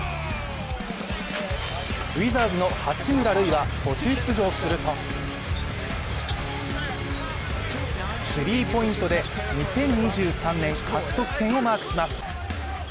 ウィザーズの八村塁が途中出場するとスリーポイントで２０２３年初得点をマークします。